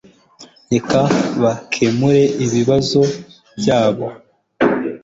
Reka bakemure ibibazo byabo